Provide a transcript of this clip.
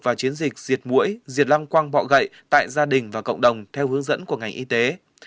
và chiến dịch diệt mũi diệt lăng quang bọ gậy tại gia đình và cộng đồng theo hướng dẫn của ngành y tế